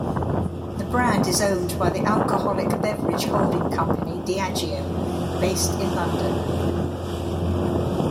The brand is owned by the alcoholic beverage holding company Diageo, based in London.